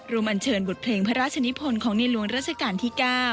อันเชิญบทเพลงพระราชนิพลของในหลวงราชการที่๙